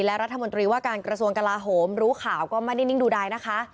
และรัฐมนตรีว่าการกระทรวงกลาโหมรู้ข่าวก็ไม่ได้นิ่งดูใดนะคะ